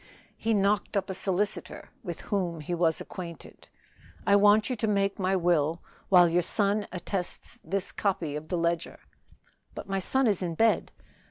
He knocked up a solicitor, with whom he was acquainted. "I want you to make my will, while your son attests this copy of this ledger." "But my son is in bed."